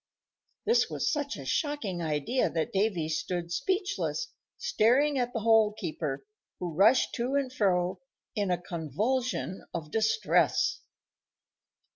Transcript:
This was such a shocking idea that Davy stood speechless, staring at the Hole keeper, who rushed to and fro in a convulsion of distress.